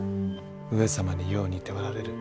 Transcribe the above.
上様によう似ておられる。